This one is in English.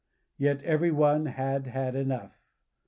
Yet every one had had enough.